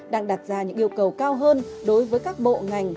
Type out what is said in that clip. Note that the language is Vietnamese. đang đặt ra những yêu cầu cao hơn đối với các bộ ngành